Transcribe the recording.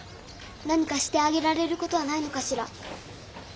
何かしてあげられる事はないのかしら。